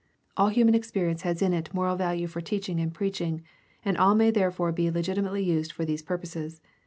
All human experience has in it moral value for teaching and preaching, and all may there fore be legitimately used for these purposes.